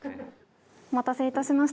お待たせ致しました。